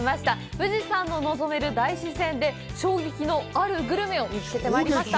富士山も望める大自然で、衝撃のあるグルメを見つけてきました。